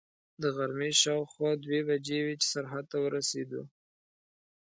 د غرمې شاوخوا دوې بجې وې چې سرحد ته ورسېدو.